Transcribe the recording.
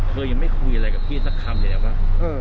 เธอยังไม่คุยอะไรกับพี่สักคำเลยนะครับว่า